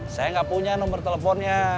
saya nggak punya nomor teleponnya